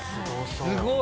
すごい！